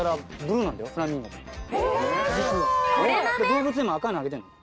動物園も赤いのあげてんの。